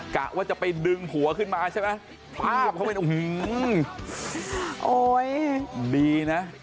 กะว่าจะไปดึงหัวขึ้นมาใช่มั้ยภาพเขาเป็นโอ้ยดีนะ